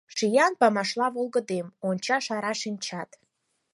Шиян памашла волгыдем, Онча шара шинчат.